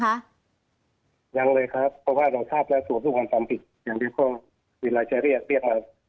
เวลาจะเรียกเรียกมาแจ้งขวาได้เลยครับ